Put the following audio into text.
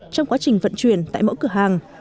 trong quá trình vận chuyển tại mỗi cửa hàng